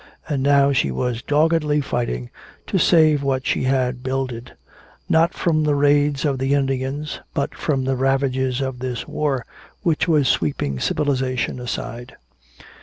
And now she was doggedly fighting to save what she had builded not from the raids of the Indians but from the ravages of this war which was sweeping civilization aside.